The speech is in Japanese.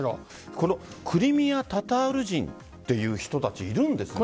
クリミア・タタール人という人たち、いるんですか？